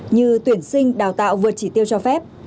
như tuyển sinh đào tạo vượt chỉ tiêu cho phép